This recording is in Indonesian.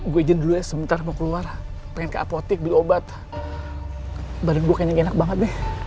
gue izin dulu ya sebentar mau keluar pengen ke apotek beli obat badan gue kayaknya gak enak banget nih